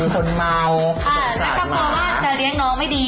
อ๋อและก็กลัวว่าจะเลี้ยงน้องไม่ดี